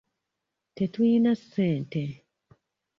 Tetuyina ssente.